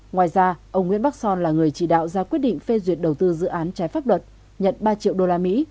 ngoài ra ông nguyễn bắc son là người chỉ đạo ra quyết định phê duyệt đầu tư dự án trái pháp luật nhận ba triệu usd